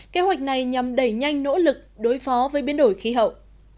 kế hoạch này nhằm đẩy nhanh nỗ lực đối phó với biến đổi khí hậu